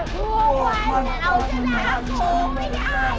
พวกมันจะตามผมไม่ได้ยอม